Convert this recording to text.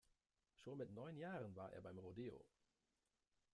Schon mit neun Jahren war er beim Rodeo.